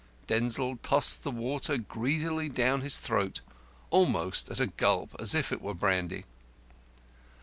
Denzil tossed the water greedily down his throat almost at a gulp, as if it were brandy.